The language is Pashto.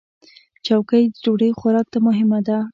چوکۍ د ډوډۍ خوراک ته مهمه ده.